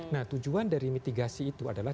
nah tujuan dari mitigasi itu adalah